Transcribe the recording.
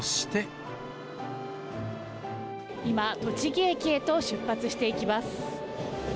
今、栃木駅へと出発していきます。